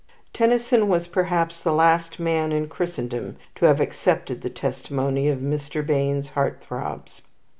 Tennyson was perhaps the last man in Christendom to have accepted the testimony of Mr. Bayne's heart throbs.